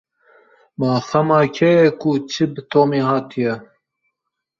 Ma xema kê ye ku çi bi Tomî hatiye?